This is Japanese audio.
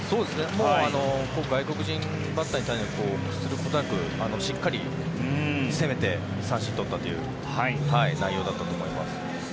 外国人バッターに臆することなくしっかり攻めて三振を取ったという内容だったと思います。